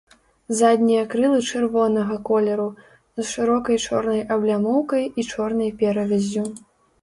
Заднія крылы чырвонага колеру, з шырокай чорнай аблямоўкай і чорнай перавяззю.